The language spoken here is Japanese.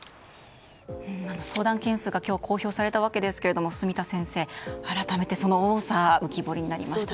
相談件数が今日公表されたわけですけども住田先生、改めてその多さ浮き彫りになりましたね。